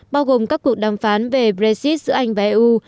bao gồm các cuộc đàm phán về brexit giữa anh và eu